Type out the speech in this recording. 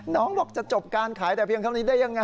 น้องบอกจะจบการขายแต่เพียงเท่านี้ได้ยังไง